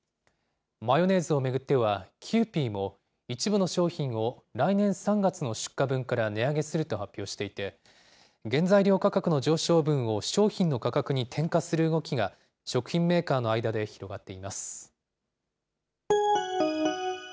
マヨネーズを巡っては、キユーピーも一部の商品を来年３月の出荷分から値上げすると発表していて、原材料価格の上昇分を商品の価格に転嫁する動きが、食品メーカーの間で広がっています。